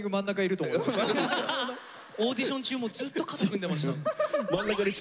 オーディション中もずっと肩組んでました。